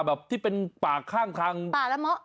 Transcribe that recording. แบบที่เป็นป่าข้างป่าระม้อ